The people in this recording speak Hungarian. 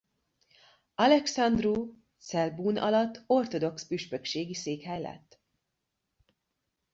Alexandru cel Bun alatt ortodox püspökségi székhely lett.